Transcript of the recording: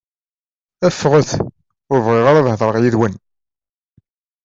Ffɣet! Ur bɣiɣ ara ad heḍṛeɣ yid-wen!